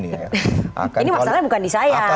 ini masalahnya bukan di saya